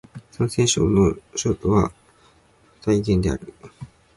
山西省の省都は太原である